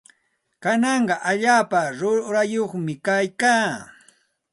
Kanaqa allaapa rurayyuqmi kaykaa.